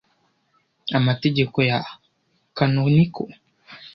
Amategeko ya Canonical